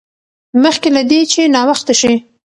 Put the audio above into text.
مخکې له دې چې ناوخته شي.